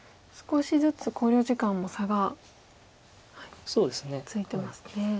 少しずつ考慮時間も差がついてますね。